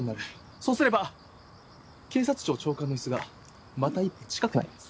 そうすれば警察庁長官の椅子がまた１歩近くなります。